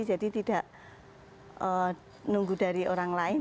jadi tidak nunggu dari orang lain